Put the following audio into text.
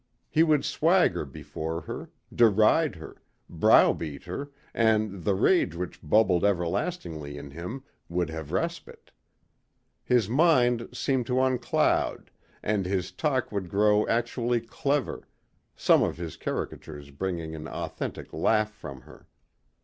He would swagger before her, deride her, browbeat her and the rage which bubbled everlastingly in him would have respite. His mind seemed to uncloud and his talk would grow actually clever, some of his caricatures bringing an authentic laugh from her.